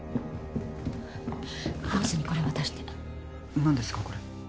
ローズにこれ渡して何ですかこれ？